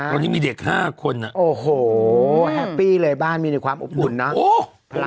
ตอนนี้มีเด็ก๕คนโอ้โหแฮปปี้เลยบ้านมีในความอบอุ่นนะ